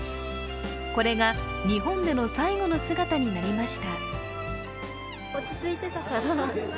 これが日本での最後の姿になりました。